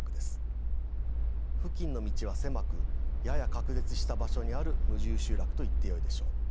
付近の道は狭くやや隔絶した場所にある無住集落といってよいでしょう。